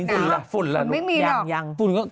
สุ่นไม่มีหรอก